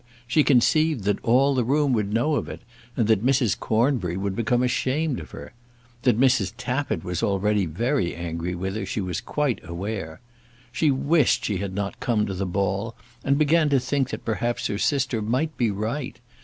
She conceived that all the room would know of it, and that Mrs. Cornbury would become ashamed of her. That Mrs. Tappitt was already very angry with her she was quite sure. She wished she had not come to the ball, and began to think that perhaps her sister might be right.